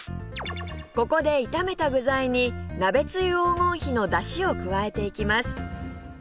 ここで炒めた具材に鍋つゆ黄金比のだしを加えていきます